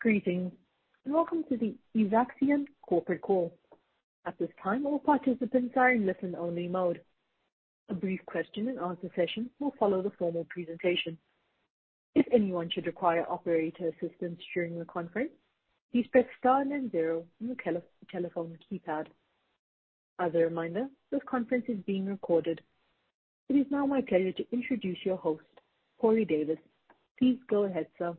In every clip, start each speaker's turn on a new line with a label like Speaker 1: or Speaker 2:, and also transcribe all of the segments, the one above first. Speaker 1: Greetings, and welcome to the Evaxion corporate call. At this time, all participants are in listen-only mode. A brief question-and-answer session will follow the formal presentation. If anyone should require operator assistance during the conference, please press star then zero on your telephone keypad. As a reminder, this conference is being recorded. It is now my pleasure to introduce your host, Corey Davis. Please go ahead, sir.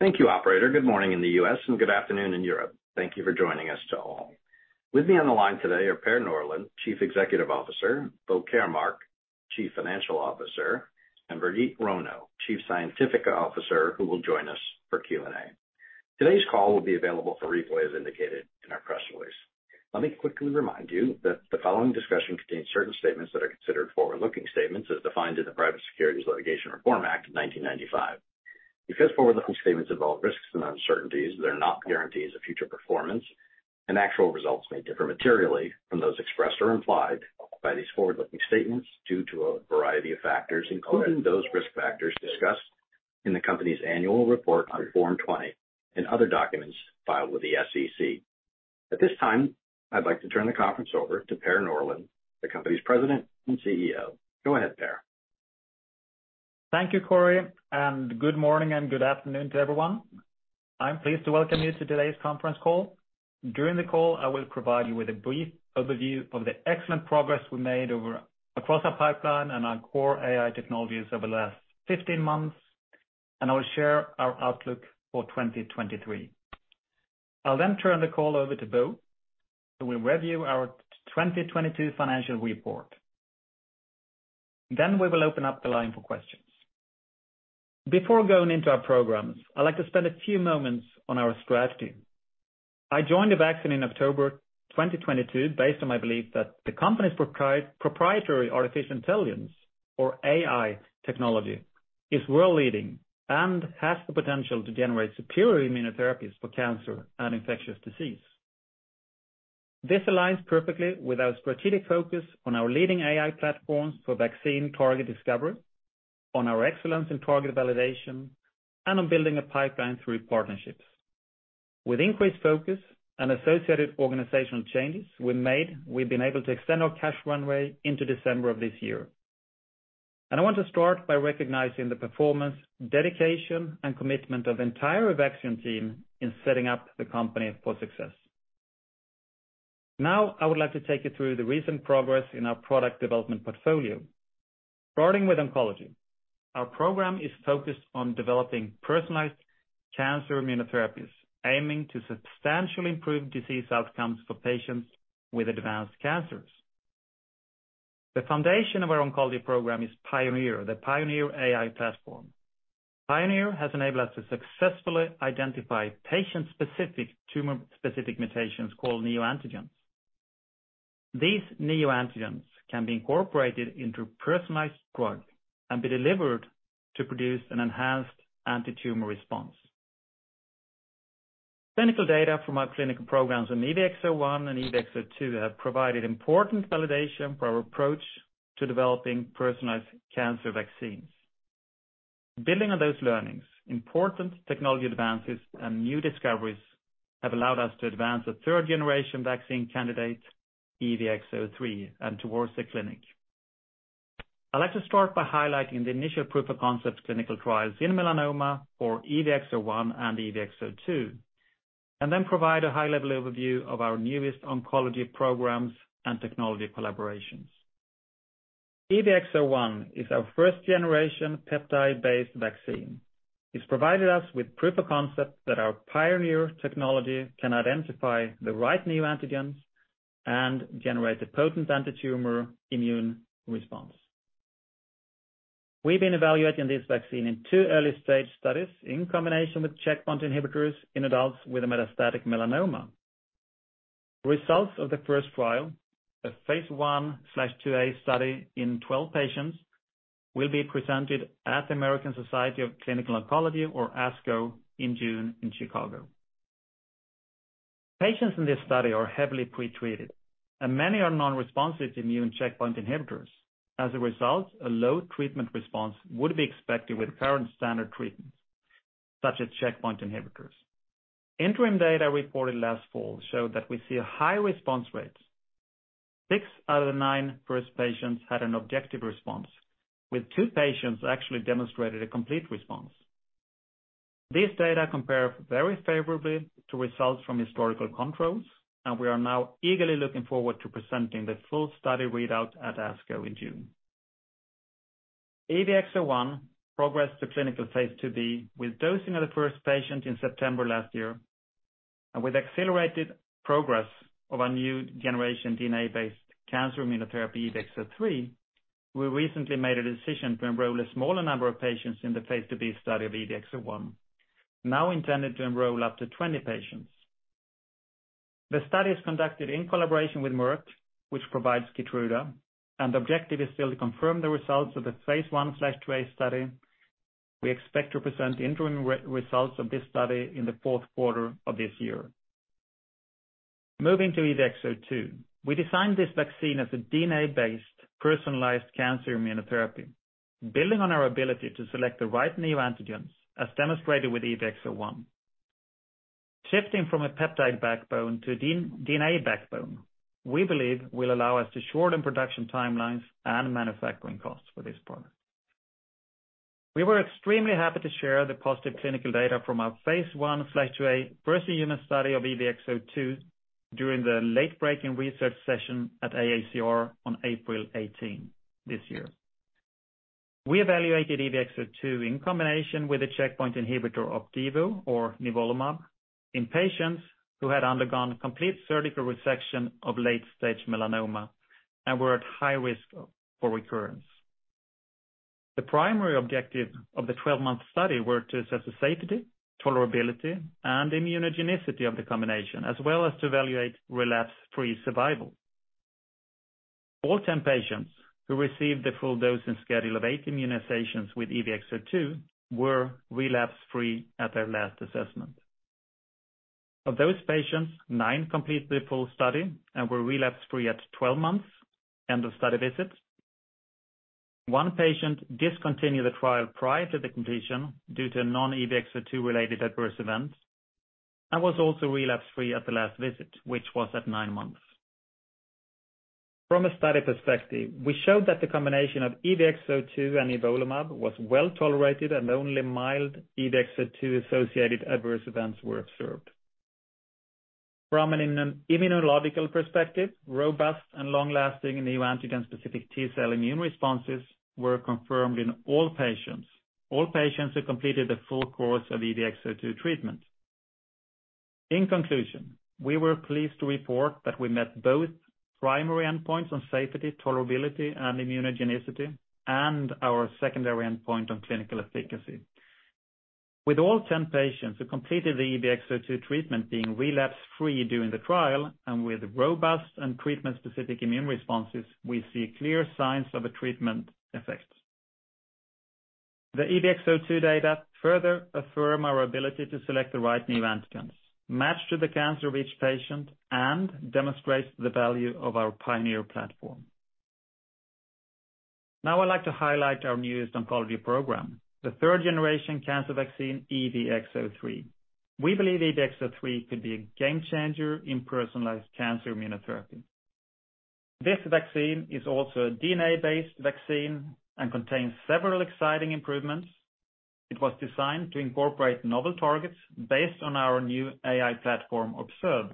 Speaker 2: Thank you, operator. Good morning in the U.S. and good afternoon in Europe. Thank you for joining us to all. With me on the line today are Per Norlén, Chief Executive Officer, Bo Karmark, Chief Financial Officer, and Birgitte Rønø, Chief Scientific Officer, who will join us for Q&A. Today's call will be available for replay, as indicated in our press release. Let me quickly remind you that the following discussion contains certain statements that are considered forward-looking statements as defined in the Private Securities Litigation Reform Act of 1995. Forward-looking statements involve risks and uncertainties that are not guarantees of future performance, and actual results may differ materially from those expressed or implied by these forward-looking statements due to a variety of factors, including those risk factors discussed in the company's annual report on Form 20-F and other documents filed with the SEC. At this time, I'd like to turn the conference over to Per Norlén, the company's President and CEO. Go ahead, Per.
Speaker 3: Thank you, Corey. Good morning and good afternoon to everyone. I'm pleased to welcome you to today's conference call. During the call, I will provide you with a brief overview of the excellent progress we made across our pipeline and our core AI technologies over the last 15 months. I will share our outlook for 2023. I'll turn the call over to Bo, who will review our 2022 financial report. We will open up the line for questions. Before going into our programs, I'd like to spend a few moments on our strategy. I joined Evaxion in October 2022 based on my belief that the company's proprietary artificial intelligence or AI technology is world-leading and has the potential to generate superior immunotherapies for cancer and infectious disease. This aligns perfectly with our strategic focus on our leading AI platforms for vaccine target discovery, on our excellence in target validation, and on building a pipeline through partnerships. With increased focus and associated organizational changes we made, we've been able to extend our cash runway into December of this year. I want to start by recognizing the performance, dedication, and commitment of entire Evaxion team in setting up the company for success. Now, I would like to take you through the recent progress in our product development portfolio. Starting with oncology. Our program is focused on developing personalized cancer immunotherapies, aiming to substantially improve disease outcomes for patients with advanced cancers. The foundation of our oncology program is PIONEER, the PIONEER AI platform. PIONEER has enabled us to successfully identify patient-specific, tumor-specific mutations called neoantigens. These neoantigens can be incorporated into a personalized drug and be delivered to produce an enhanced antitumor response. Clinical data from our clinical programs in EVX-01 and EVX-02 have provided important validation for our approach to developing personalized cancer vaccines. Building on those learnings, important technology advances and new discoveries have allowed us to advance a third-generation vaccine candidate, EVX-03, and towards the clinic. I'd like to start by highlighting the initial proof of concept clinical trials in melanoma for EVX-01 and EVX-02, and then provide a high-level overview of our newest oncology programs and technology collaborations. EVX-01 is our first-generation peptide-based vaccine. It's provided us with proof of concept that our PIONEER technology can identify the right neoantigens and generate a potent antitumor immune response. We've been evaluating this vaccine in two early stage studies in combination with checkpoint inhibitors in adults with metastatic melanoma. Results of the first trial, a phase I/II-A study in 12 patients, will be presented at the American Society of Clinical Oncology or ASCO in June in Chicago. Patients in this study are heavily pretreated, and many are non-responsive to immune checkpoint inhibitors. As a result, a low treatment response would be expected with current standard treatments, such as checkpoint inhibitors. Interim data reported last fall showed that we see a high response rates. Six out of the nine first patients had an objective response, with two patients actually demonstrated a complete response. These data compare very favorably to results from historical controls, and we are now eagerly looking forward to presenting the full study readout at ASCO in June. EVX-01 progressed to clinical phase II-B with dosing of the first patient in September last year. With accelerated progress of our new generation DNA-based cancer immunotherapy, EVX-03, we recently made a decision to enroll a smaller number of patients in the phase II-B study of EVX-01, now intended to enroll up to 20 patients. The study is conducted in collaboration with Merck, which provides Keytruda, the objective is still to confirm the results of the phase I/II-A study. We expect to present the interim re-results of this study in the fourth quarter of this year. Moving to EVX-02. We designed this vaccine as a DNA-based personalized cancer immunotherapy, building on our ability to select the right neoantigens, as demonstrated with EVX-01. Shifting from a peptide backbone to a DNA backbone, we believe will allow us to shorten production timelines and manufacturing costs for this product. We were extremely happy to share the positive clinical data from our phase I/II-A first-in-human study of EVX-02 during the late-breaking research session at AACR on April 18 this year. We evaluated EVX-02 in combination with a checkpoint inhibitor Opdivo or nivolumab in patients who had undergone complete surgical resection of late-stage melanoma and were at high risk for recurrence. The primary objective of the 12-month study were to assess the safety, tolerability, and immunogenicity of the combination, as well as to evaluate relapse-free survival. All 10 patients who received the full dose and schedule of eight immunizations with EVX-02 were relapse-free at their last assessment. Of those patients, nine completed the full study and were relapse-free at 12 months end of study visit. One patient discontinued the trial prior to the completion due to a non-EVX-02 related adverse event and was also relapse-free at the last visit, which was at nine months. From a study perspective, we showed that the combination of EVX-02 and nivolumab was well tolerated and only mild EVX-02 associated adverse events were observed. From an immunological perspective, robust and long-lasting neoantigen-specific T-cell immune responses were confirmed in all patients. All patients who completed the full course of EVX-02 treatment. In conclusion, we were pleased to report that we met both primary endpoints on safety, tolerability and immunogenicity and our secondary endpoint on clinical efficacy. With all 10 patients who completed the EVX-02 treatment being relapse-free during the trial and with robust and treatment-specific immune responses, we see clear signs of a treatment effect. The EVX-02 data further affirm our ability to select the right neoantigens matched to the cancer of each patient and demonstrates the value of our PIONEER platform. I'd like to highlight our newest oncology program, the third generation cancer vaccine, EVX-03. We believe EVX-03 could be a game changer in personalized cancer immunotherapy. This vaccine is also a DNA-based vaccine and contains several exciting improvements. It was designed to incorporate novel targets based on our new AI platform, ObsERV,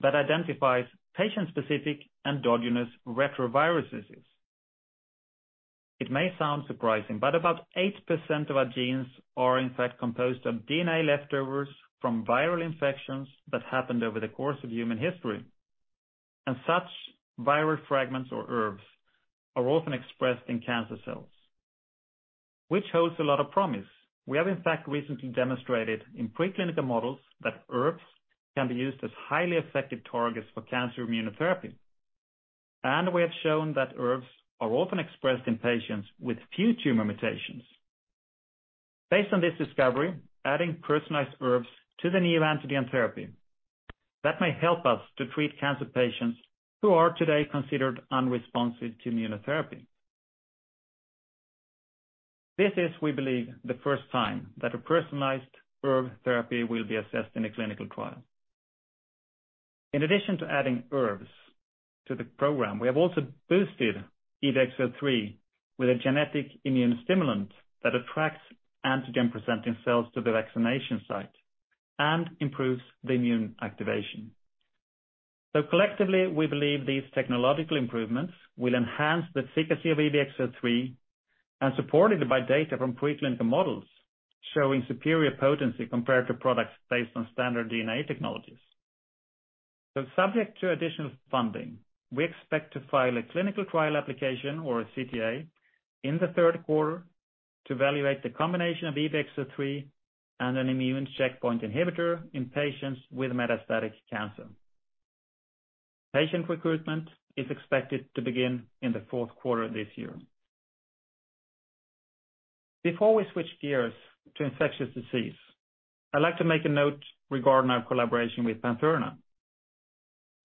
Speaker 3: that identifies patient-specific endogenous retroviruses. It may sound surprising, about 80% of our genes are in fact composed of DNA leftovers from viral infections that happened over the course of human history. Such viral fragments, or ERVs, are often expressed in cancer cells, which holds a lot of promise. We have in fact recently demonstrated in preclinical models that ERVs can be used as highly effective targets for cancer immunotherapy. We have shown that ERVs are often expressed in patients with few tumor mutations. Based on this discovery, adding personalized ERVs to the neoantigen therapy that may help us to treat cancer patients who are today considered unresponsive to immunotherapy. This is, we believe, the first time that a personalized ERV therapy will be assessed in a clinical trial. In addition to adding ERVs to the program, we have also boosted EVX-03 with a genetic immune stimulant that attracts antigen-presenting cells to the vaccination site and improves the immune activation. Collectively, we believe these technological improvements will enhance the efficacy of EVX-03 and supported by data from preclinical models showing superior potency compared to products based on standard DNA technologies. Subject to additional funding, we expect to file a clinical trial application or a CTA in the 3rd quarter to evaluate the combination of EVX-03 and an immune checkpoint inhibitor in patients with metastatic cancer. Patient recruitment is expected to begin in the 4th quarter this year. Before we switch gears to infectious disease, I'd like to make a note regarding our collaboration with Pantherna.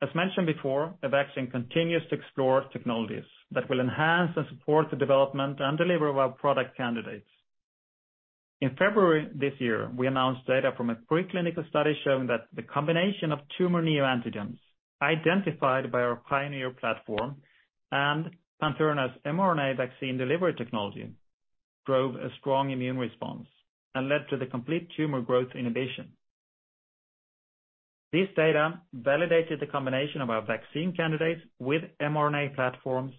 Speaker 3: As mentioned before, Evaxion continues to explore technologies that will enhance and support the development and delivery of our product candidates. In February this year, we announced data from a preclinical study showing that the combination of tumor neoantigens identified by our PIONEER platform and Pantherna's mRNA vaccine delivery technology drove a strong immune response and led to the complete tumor growth inhibition. This data validated the combination of our vaccine candidates with mRNA platforms.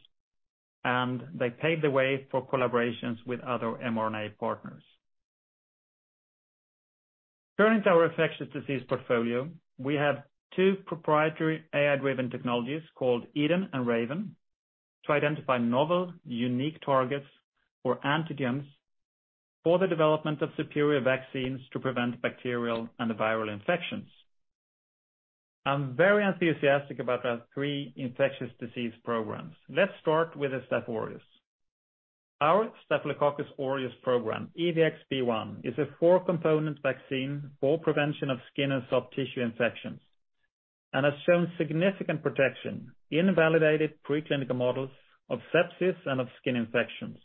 Speaker 3: They paved the way for collaborations with other mRNA partners. Turning to our infectious disease portfolio, we have two proprietary AI-driven technologies called EDEN and RAVEN to identify novel, unique targets or antigens for the development of superior vaccines to prevent bacterial and viral infections. I'm very enthusiastic about our three infectious disease programs. Let's start with S. aureus. Our Staphylococcus aureus program, EVX-B1, is a four-component vaccine for prevention of skin and soft tissue infections and has shown significant protection in validated preclinical models of sepsis and of skin infections.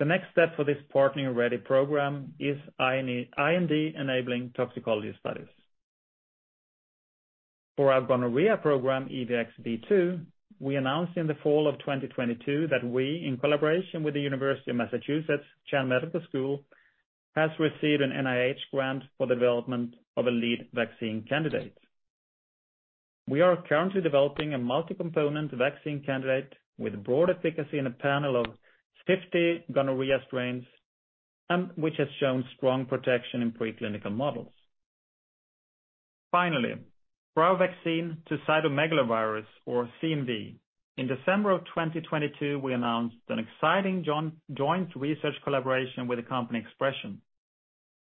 Speaker 3: The next step for this partnering-ready program is IND-enabling toxicology studies. For our gonorrhea program, EVX-B2, we announced in the fall of 2022 that we, in collaboration with the University of Massachusetts Chan Medical School, has received an NIH grant for development of a lead vaccine candidate. We are currently developing a multi-component vaccine candidate with broad efficacy in a panel of 50 gonorrhea strains and which has shown strong protection in preclinical models. Finally, for our vaccine to cytomegalovirus, or CMV. In December of 2022, we announced an exciting joint research collaboration with the company ExpreS2ion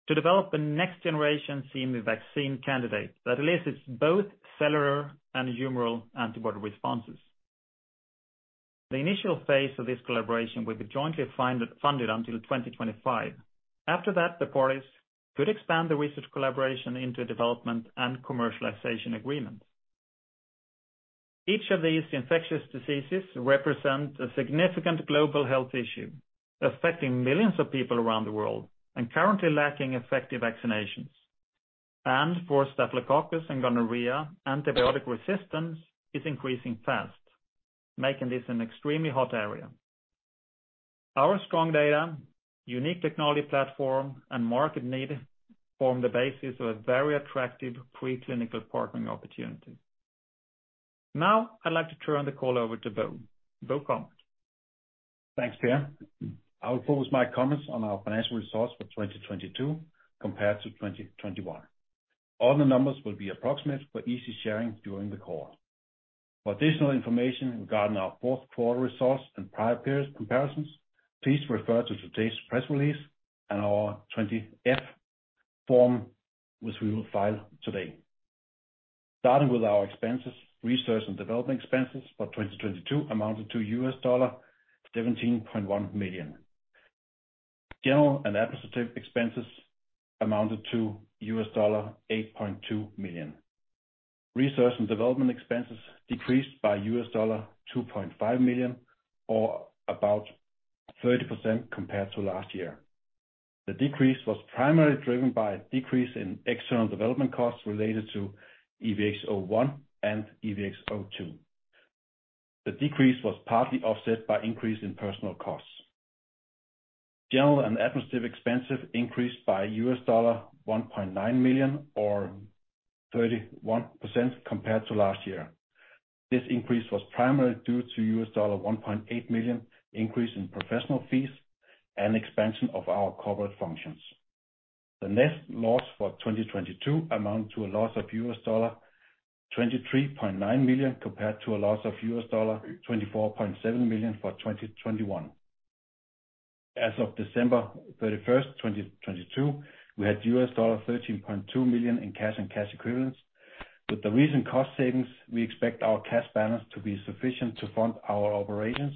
Speaker 3: to develop a next-generation CMV vaccine candidate that elicits both cellular and humoral antibody responses. The initial phase of this collaboration will be jointly funded until 2025. After that, the parties could expand the research collaboration into a development and commercialization agreement. Each of these infectious diseases represent a significant global health issue, affecting millions of people around the world and currently lacking effective vaccinations. For Staphylococcus and gonorrhea, antibiotic resistance is increasing fast, making this an extremely hot area. Our strong data, unique technology platform, and market need form the basis of a very attractive preclinical partnering opportunity. Now, I'd like to turn the call over to Bo. Bo Karmark.
Speaker 4: Thanks, Per. I will focus my comments on our financial results for 2022 compared to 2021. All the numbers will be approximate for easy sharing during the call. For additional information regarding our fourth quarter results and prior period comparisons, please refer to today's press release and our 20-F form which we will file today. Starting with our expenses, research and development expenses for 2022 amounted to $17.1 million. General and administrative expenses amounted to $8.2 million. Research and development expenses decreased by $2.5 million or about 30% compared to last year. The decrease was primarily driven by a decrease in external development costs related to EVX-01 and EVX-02. The decrease was partly offset by increase in personal costs. General and administrative expenses increased by $1.9 million or 31% compared to last year. This increase was primarily due to $1.8 million increase in professional fees and expansion of our corporate functions. The net loss for 2022 amount to a loss of $23.9 million compared to a loss of $24.7 million for 2021. As of December 31st, 2022, we had $13.2 million in cash and cash equivalents. With the recent cost savings, we expect our cash balance to be sufficient to fund our operations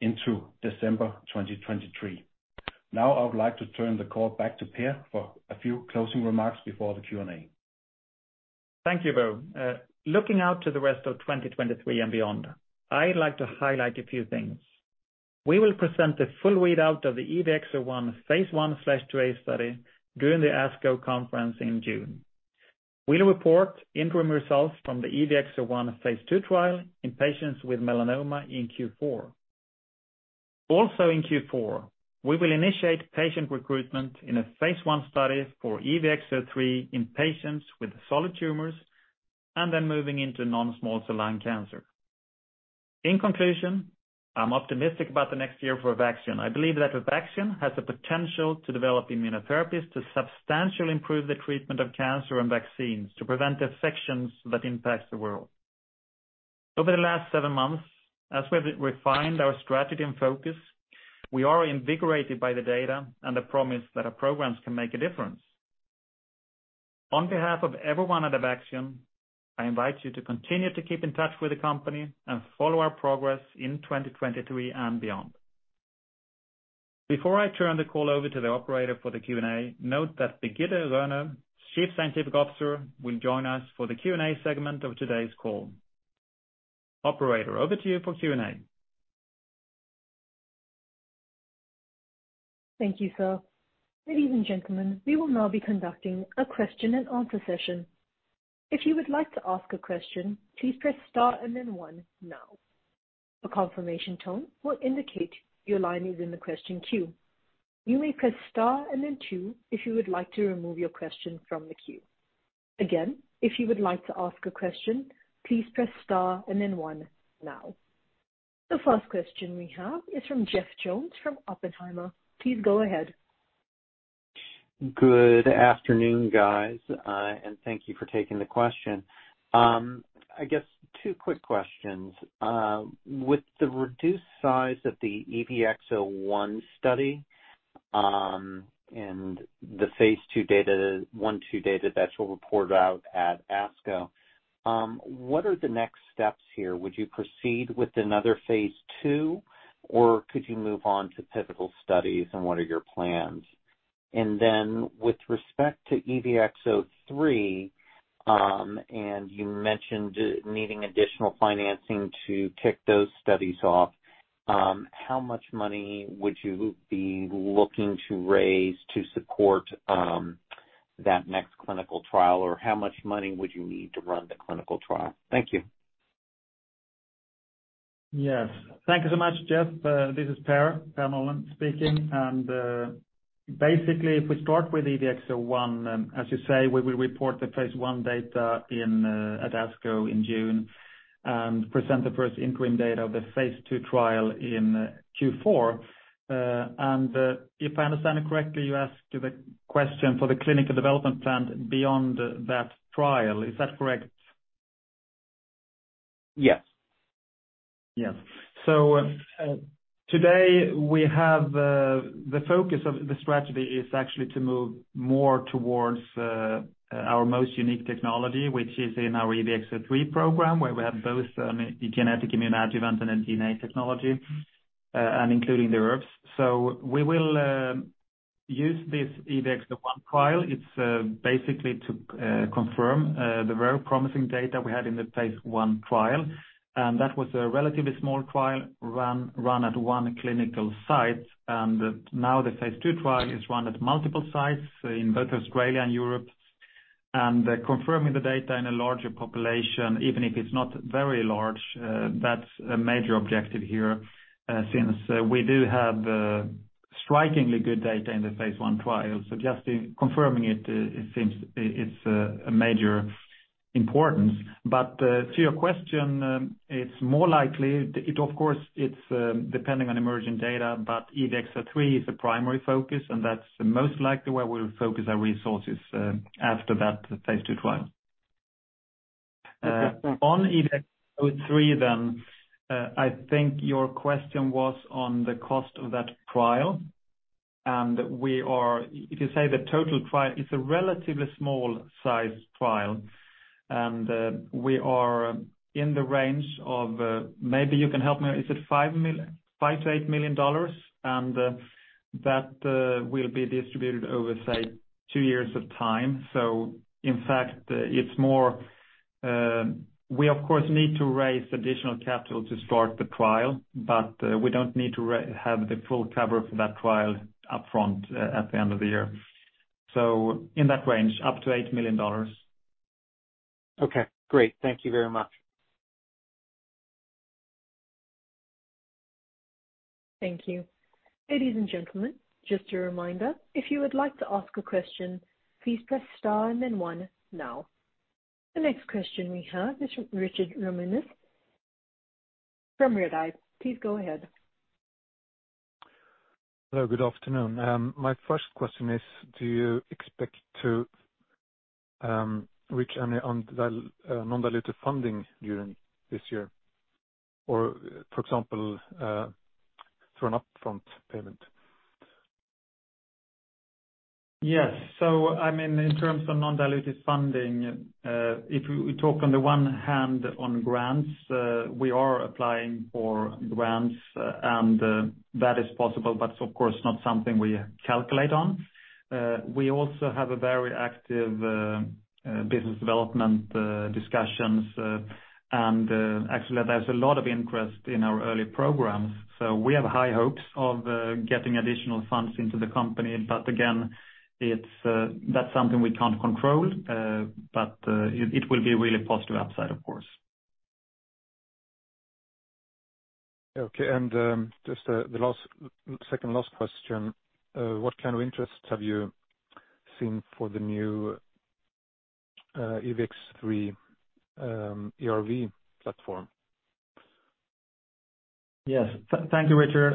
Speaker 4: into December 2023. Now I would like to turn the call back to Per for a few closing remarks before the Q&A.
Speaker 3: Thank you, Bo. Looking out to the rest of 2023 and beyond, I'd like to highlight a few things. We will present the full readout of the EVX-01 phase I/II-A study during the ASCO conference in June. We'll report interim results from the EVX-01 phase II trial in patients with melanoma in Q4. Also in Q4, we will initiate patient recruitment in a phase I study for EVX-03 in patients with solid tumors and then moving into non-small cell lung cancer. In conclusion, I'm optimistic about the next year for Evaxion. I believe that Evaxion has the potential to develop immunotherapies to substantially improve the treatment of cancer and vaccines to prevent infections that impact the world. Over the last seven months, as we've refined our strategy and focus, we are invigorated by the data and the promise that our programs can make a difference. On behalf of everyone at Evaxion, I invite you to continue to keep in touch with the company and follow our progress in 2023 and beyond. Before I turn the call over to the operator for the Q&A, note that Birgitte Rønø, Chief Scientific Officer, will join us for the Q&A segment of today's call. Operator, over to you for Q&A.
Speaker 1: Thank you, sir. Ladies and gentlemen, we will now be conducting a question-and-answer session. If you would like to ask a question, please press star and then one now. A confirmation tone will indicate your line is in the question queue. You may press star and then two if you would like to remove your question from the queue. Again, if you would like to ask a question, please press star and then one now. The first question we have is from Jeff Jones from Oppenheimer. Please go ahead.
Speaker 5: Good afternoon, guys, thank you for taking the question. I guess two quick questions. With the reduced size of the EVX-01 study. The phase II data, one true data that you'll report out at ASCO. What are the next steps here? Would you proceed with another phase II, or could you move on to pivotal studies, and what are your plans? With respect to EVX-03, and you mentioned needing additional financing to kick those studies off, how much money would you be looking to raise to support that next clinical trial? How much money would you need to run the clinical trial? Thank you.
Speaker 3: Yes. Thank you so much, Jeff. This is Per Norlén speaking. Basically, if we start with EVX-01, as you say, we will report the phase I data in at ASCO in June, and present the first interim data of the phase II trial in Q4. If I understand it correctly, you asked the question for the clinical development plan beyond that trial. Is that correct?
Speaker 5: Yes.
Speaker 3: Yes. Today, we have, the focus of the strategy is actually to move more towards, our most unique technology, which is in our EVX-03 program, where we have both a genetic immune adjuvant and DNA technology, and including the ERVs. We will, use this EVX-01 trial. It's, basically to, confirm, the very promising data we had in the phase I trial. That was a relatively small trial run at 1 clinical site. Now the phase II trial is run at multiple sites in both Australia and Europe. Confirming the data in a larger population, even if it's not very large, that's a major objective here, since we do have, strikingly good data in the phase I trial. Just in confirming it seems it's a major importance. to your question, it's more likely. It of course, it's depending on emerging data, but EVX-03 is a primary focus, and that's most likely where we'll focus our resources after that phase II trial. On EVX-03 then, I think your question was on the cost of that trial. If you say the total trial, it's a relatively small size trial. we are in the range of, maybe you can help me. Is it $5 million-$8 million? that will be distributed over, say, two years of time. In fact, it's more. We of course, need to raise additional capital to start the trial, but we don't need to have the full cover for that trial upfront at the end of the year. In that range, up to $8 million.
Speaker 5: Okay, great. Thank you very much.
Speaker 1: Thank you. Ladies and gentlemen, just a reminder, if you would like to ask a question, please press star and then one now. The next question we have is Richard Ramanius from Redeye. Please go ahead.
Speaker 6: Hello. Good afternoon. My first question is, do you expect to reach any non-dilutive funding during this year? For example, through an upfront payment?
Speaker 3: Yes. I mean, in terms of non-dilutive funding, if we talk on the one hand on grants, we are applying for grants, and that is possible, but of course, not something we calculate on. We also have a very active business development discussions. Actually, there's a lot of interest in our early programs. We have high hopes of getting additional funds into the company. Again, it's, that's something we can't control, but it will be really positive upside, of course.
Speaker 6: Okay. Just Second last question, what kind of interests have you seen for the new EVX-03 ERV platform?
Speaker 3: Yes. Thank you, Richard.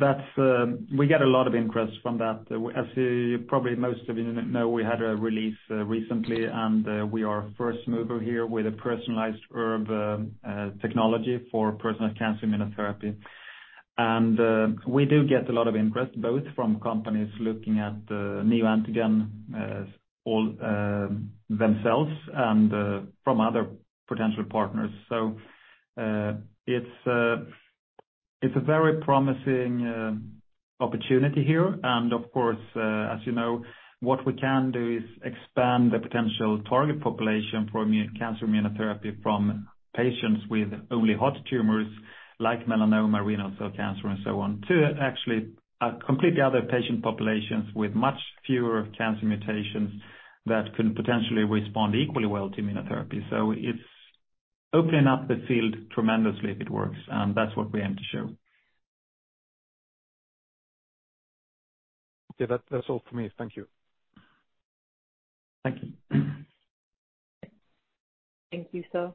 Speaker 3: That's, we get a lot of interest from that. As probably most of you know, we had a release recently, we are first mover here with a personalized ERV technology for personalized cancer immunotherapy. We do get a lot of interest, both from companies looking at neoantigen themselves and from other potential partners. It's a very promising opportunity here. Of course, as you know, what we can do is expand the potential target population for cancer immunotherapy from patients with only hot tumors like melanoma, renal cell carcinoma, and so on, to actually completely other patient populations with much fewer cancer mutations that can potentially respond equally well to immunotherapy. It's opening up the field tremendously if it works, and that's what we aim to show.
Speaker 6: Okay. That's all for me. Thank you.
Speaker 3: Thank you.
Speaker 1: Thank you, sir.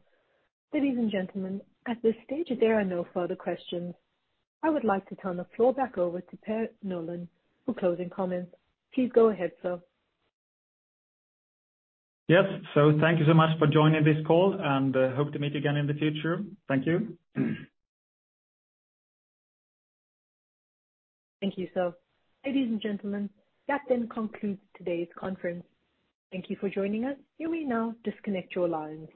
Speaker 1: Ladies and gentlemen, at this stage, there are no further questions. I would like to turn the floor back over to Per Norlén for closing comments. Please go ahead, sir.
Speaker 3: Yes. Thank you so much for joining this call, and hope to meet you again in the future. Thank you.
Speaker 1: Thank you, sir. Ladies and gentlemen, that then concludes today's conference. Thank you for joining us. You may now disconnect your lines.